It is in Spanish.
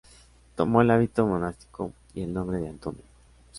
Tomó el hábito monástico y el nombre de Antonio.